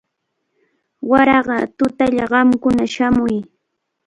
Waraqa tutalla qamkuna shamuy.